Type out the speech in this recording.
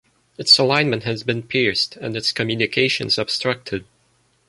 Its alignment had been pierced, and its communications obstructed.